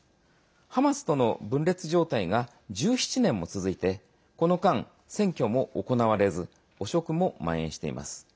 ハマスとの分裂状態が１７年も続いてこの間、選挙も行われず汚職もまん延しています。